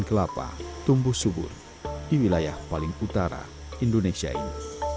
di seluruh pulau pohon kelapa tumbuh subur di wilayah paling utara indonesia ini